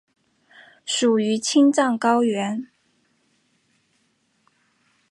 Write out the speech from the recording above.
属于青藏高原。